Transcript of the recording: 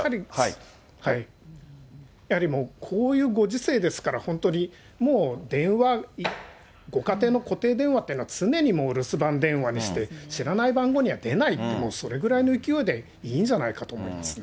やはりもう、こういうご時世ですから、本当に、もう、電話、ご家庭の固定電話っていうのは常に留守番電話にして、知らない番号には出ないって、それぐらいの勢いでいいんじゃないかなと思いますね。